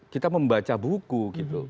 kita membaca buku gitu